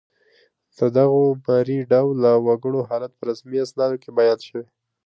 د دغو مري ډوله وګړو حالت په رسمي اسنادو کې بیان شوی